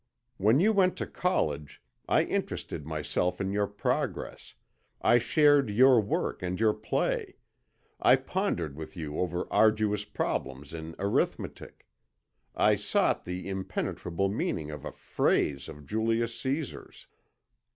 When you went to college I interested myself in your progress, I shared your work and your play, I pondered with you over arduous problems in arithmetic, I sought the impenetrable meaning of a phrase of Julius Cæsar's.